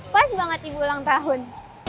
pas banget ibu ulang tahun